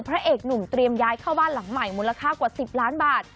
พระเอกหนุ่มเตรียมย้ายเข้าบ้านหลังใหม่มูลค่ากว่า๑๐ล้านบาท